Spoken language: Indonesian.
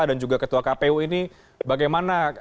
dan juga ketua kpu ini bagaimana